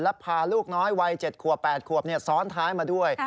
และพาลูกน้อยวัย๗ขวบ๘ขวบซ้อนท้ายมาด้วย